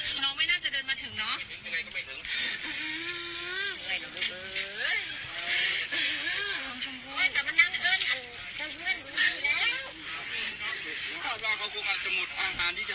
หัวข้าวติดใจไปในที่ลูคฝนบอกว่า